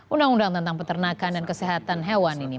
undang undang tentang peternakan dan kesehatan hewan ini